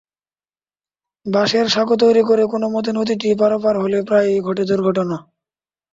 বাঁশের সাঁকো তৈরি করে কোনোমতে নদীটি পারাপার হলেও প্রায়ই ঘটে দুর্ঘটনা।